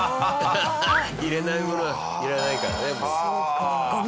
いらないものはいらないからね。